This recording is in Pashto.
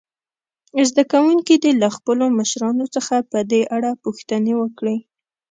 زده کوونکي دې له خپلو مشرانو څخه په دې اړه پوښتنې وکړي.